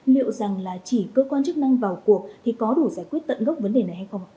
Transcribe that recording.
liệu rằng là chỉ cơ quan chức năng vào cuộc thì có đủ giải quyết tận gốc vấn đề này hay không